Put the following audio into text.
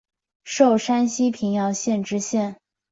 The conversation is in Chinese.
授山西平遥县知县。